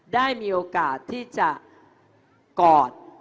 ได้มีโอกาสที่จะกอด